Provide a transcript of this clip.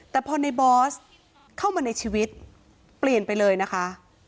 แต่พอในบอสเข้ามาในชีวิตเปลี่ยนไปเลยนะคะ